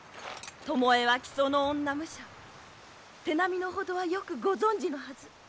巴は木曽の女武者手並みのほどはよくご存じのはず。